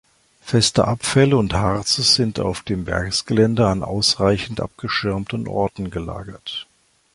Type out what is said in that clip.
Feste Abfälle und Harze sind auf dem Werksgelände an ausreichend abgeschirmten Orten gelagert.